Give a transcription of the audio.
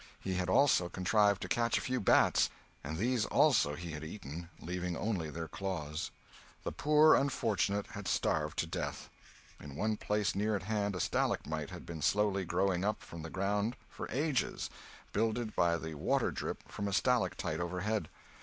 He had also contrived to catch a few bats, and these, also, he had eaten, leaving only their claws. The poor unfortunate had starved to death. In one place, near at hand, a stalagmite had been slowly growing up from the ground for ages, builded by the water drip from a stalactite overhead.